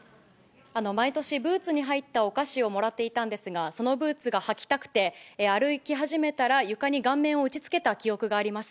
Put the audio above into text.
毎年、ブーツに入ったお菓子をもらっていたんですが、そのブーツがはきたくて、歩き始めたら、床に顔面を打ち付けた記憶があります。